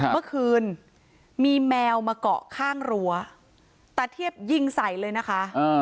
เมื่อคืนมีแมวมาเกาะข้างรั้วตาเทียบยิงใส่เลยนะคะ